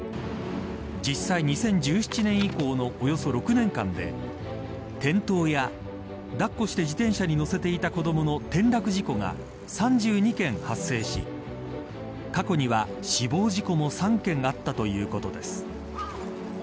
実際２０１７年以降のおよそ６年間で転倒や抱っこして自転車に乗せていた子どもの転落事故が３２件発生し過去には、死亡事故も３件あったということです。